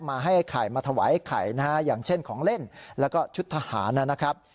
มาให้ไข่มาถวายไข่นะฮะอย่างเช่นของเล่นแล้วก็ชุดทหารนะครับ